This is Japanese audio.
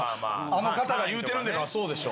あの方が言うてるんだからそうでしょ。